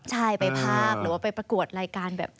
ใช่ไปภาพหรือว่าไปประกวดรายการแบบ